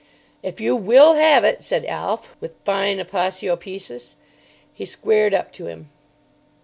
"If you will have it," said Alf, with fine aposiopesis. He squared up to him.